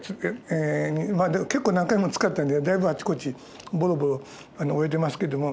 結構何回も使ったんでだいぶあちこちボロボロ折れてますけども。